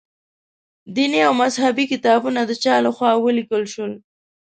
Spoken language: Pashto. دیني او مذهبي کتابونه د چا له خوا ولیکل شول.